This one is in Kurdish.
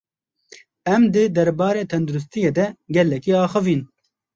Em di derbarê tendirustiyê de gelekî axivîn.